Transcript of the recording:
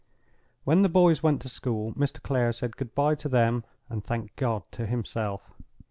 When the boys went to school, Mr. Clare said "good by" to them—and "thank God" to himself.